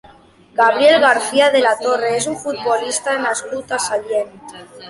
Gabriel Garcia de la Torre és un futbolista nascut a Sallent.